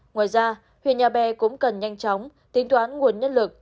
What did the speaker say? ngoài ra huyện nhà bè cũng cần nhanh chóng tính toán nguồn nhân lực